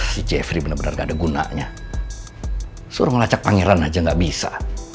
si jeffrey bener bener gak ada gunanya suruh ngelacak pangeran aja gak bisa